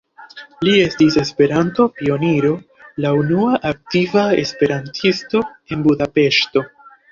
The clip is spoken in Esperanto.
Li estis Esperanto-pioniro, la unua aktiva esperantisto en Budapeŝto.